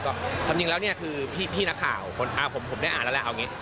ก็ความจริงแล้วเนี่ยคือพี่นักข่าวผมได้อ่านแล้วแหละเอาอย่างนี้